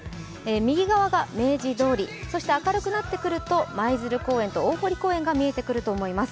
右側が明治通り、明るくなってくると舞鶴公園と大濠公園が見えてくると思います。